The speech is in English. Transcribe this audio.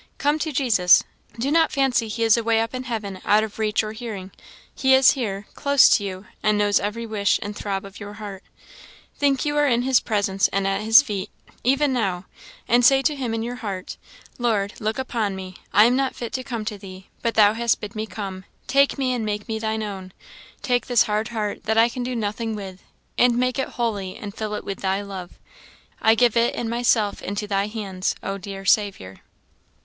Come to Jesus. Do not fancy he is away up in heaven out of reach of hearing; he is here, close to you, and knows every wish and throb of your heart. Think you are in his presence and at his feet even now and say to him in your heart, 'Lord, look upon me I am not fit to come to thee, but thou hast bid me come take me and make me thine own take this hard heart that I can do nothing with, and make it holy and fill it with thy love I give it and myself into thy hands, O dear Saviour!'